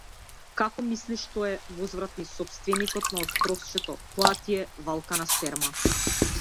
Како мислиш што е, возврати сопственикот на островчето, тоа ти е валкана сперма.